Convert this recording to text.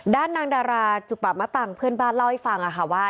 ด้านนางดาราจุปะมะตังเพื่อนบ้านเล่าให้ฟังค่ะว่า